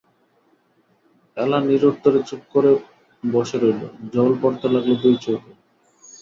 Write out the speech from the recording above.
এলা নিরুত্তরে চুপ করে বসে রইল, জল পড়তে লাগল দুই চোখে।